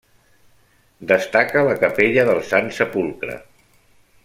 Destaca la capella del Sant Sepulcre.